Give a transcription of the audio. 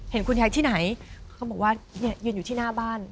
เห็นคุณยายที่ไหนเขาบอกว่าเนี่ยยืนอยู่ที่หน้าบ้าน